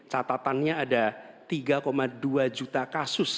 catatannya ada tiga dua juta kasus